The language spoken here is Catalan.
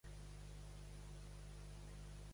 Que se sàpiga, el castellà compta a Europa, mal els pesi.